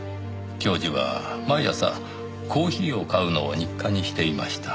教授は毎朝コーヒーを買うのを日課にしていました。